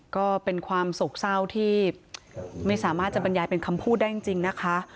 ก็เป็นความโศกเศร้าที่ไม่สามารถจะบรรยายเป็นคำพูดได้จริงนะคะ